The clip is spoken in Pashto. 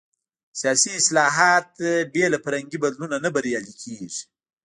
سیاسي اصلاحات بې له فرهنګي بدلون نه بریالي کېږي.